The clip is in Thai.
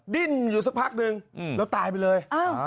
ดิ้นอยู่สักพักนึงแล้วตายไปเลย